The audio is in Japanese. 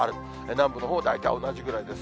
南部のほう、大体同じぐらいです。